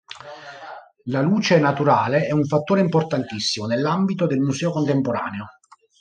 La luce naturale è un fattore importantissimo nell'ambito del Museo Contemporaneo.